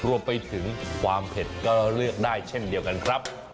รวมไปถึงความเผ็ดก็เลือกได้เช่นเดียวกันครับ